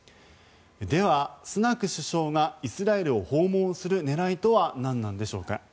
では、スナク首相がイスラエルを訪問する狙いとは何なんでしょうか。